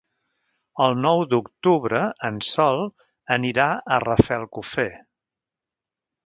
El nou d'octubre en Sol anirà a Rafelcofer.